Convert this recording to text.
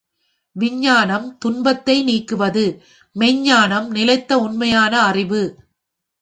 விஞ்ஞானம் துன்பத்தை நீக்குவது, மெய்ஞ் ஞானம் நிலைத்த உண்மையான அறிவு.